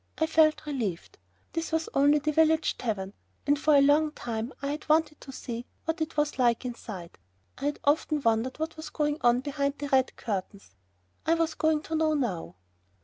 I felt relieved. This was only the village tavern, and for a long time I had wanted to see what it was like inside. I had often wondered what was going on behind the red curtains, I was going to know now....